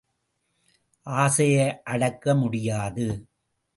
ஆசையை அடக்க முடியாது.